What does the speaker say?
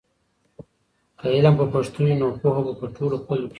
که علم په پښتو وي نو پوهه به په ټولو خلکو کې وي.